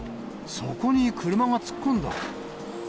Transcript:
そこに車が突っ込んだ。